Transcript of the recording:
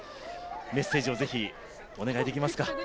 メッセージをぜひ、お願いできますか。